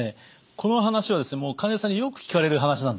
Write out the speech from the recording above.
この話は患者さんによく聞かれる話なんです。